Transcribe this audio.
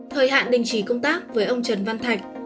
thời hạn đình chỉ công tác với ông trần văn thạch